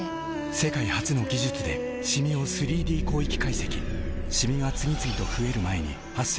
世界初の技術でシミを３Ｄ広域解析シミが次々と増える前に「メラノショットＷ」